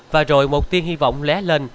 và rồi một tiếng hy vọng lé lên